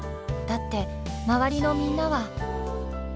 だって周りのみんなは。